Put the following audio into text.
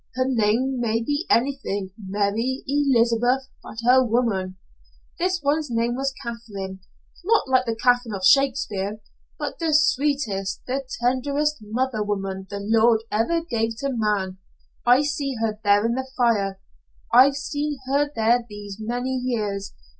Her name may be anything Mary Elizabeth, but, a woman. This one's name was Katherine. Not like the Katherine of Shakespeare, but the sweetest the tenderest mother woman the Lord ever gave to man. I see her there in the fire. I've seen her there these many years.